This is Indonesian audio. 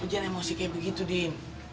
dim lo jangan emosi kayak begitu din